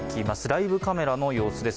ライブカメラの様子です。